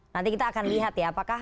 nanti kita akan lihat ya